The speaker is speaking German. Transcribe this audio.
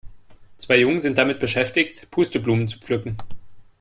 Zwei Jungen sind damit beschäftigt, Pusteblumen zu pflücken.